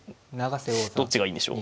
どっちがいいんでしょう。